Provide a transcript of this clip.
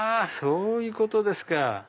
そういうことですか！